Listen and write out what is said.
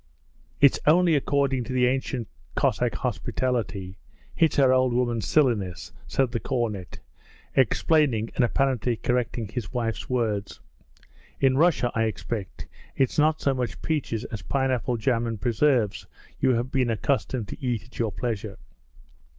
'It's only according to the ancient Cossack hospitality. It's her old woman's silliness,' said the cornet, explaining and apparently correcting his wife's words. 'In Russia, I expect, it's not so much peaches as pineapple jam and preserves you have been accustomed to eat at your pleasure.'